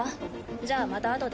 じゃあまたあとで。